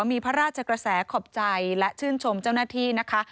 มีพระราชกระแสขอบใจและชื่นชมเจ้าหน้าที่นะคะ